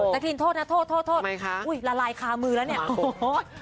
ละครีนโทษนะโทษโทษโทษละลายคามือแล้วเนี่ย